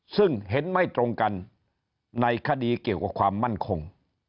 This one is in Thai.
ซึ่งเห็นไม่ตรงกันในคดีเกี่ยวกับความมั่นคง